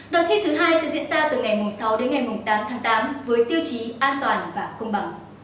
đợt thi thứ hai sẽ diễn ra từ ngày sáu đến ngày tám tháng tám với tiêu chí an toàn và công bằng